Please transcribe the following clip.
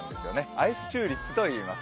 アイスチューリップといいます。